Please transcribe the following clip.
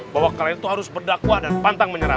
bahwa kalian itu harus berdakwah dan pantang menyerah